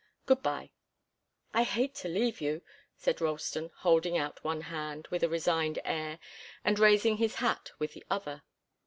Good bye. "I hate to leave you," said Ralston, holding out one hand, with a resigned air, and raising his hat with the other.